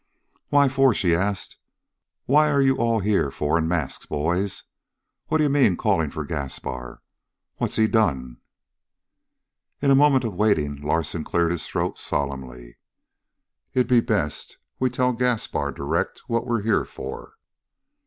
"Why for?" she asked. "What are you all here for in masks, boys? What you mean calling for Gaspar? What's he done?" In a moment of waiting Larsen cleared his throat solemnly. "It'd be best we tell Gaspar direct what we're here for."